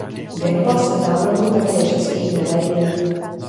Věnoval se návrhu také českých medailí.